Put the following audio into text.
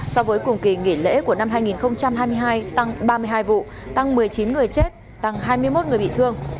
so với cùng kỳ nghỉ lễ của năm hai nghìn hai mươi hai tăng ba mươi hai vụ tăng một mươi chín người chết tăng hai mươi một người bị thương